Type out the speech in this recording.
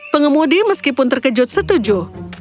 pengemudi meskipun terkejut setuju